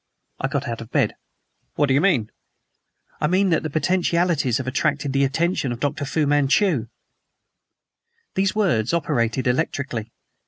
I got out of bed. "What do you mean?" "I mean that the potentialities have attracted the attention of Dr. Fu Manchu!" Those words operated electrically.